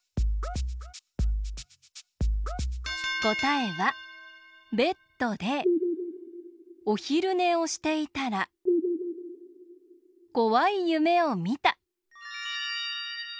こたえはベッドでおひるねをしていたらこわいゆめをみた。